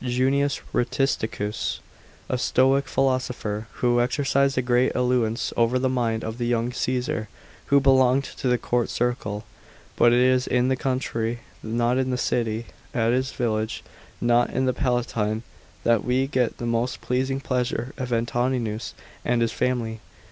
Junius Rtisticus, a Stoic 23 530 PKINCIPATE OF ANTONINUS PIUS. CHAP, xxvii. philosopher, who exercised a great iiulueuce over the mind of the young Caesar, also belonged to the court circle. But it is in the country, not in the city, at his villas, not on the Palatine, that we get the most pleasing picture of Antoninus and his family.